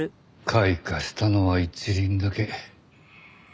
開花したのは１輪だけ。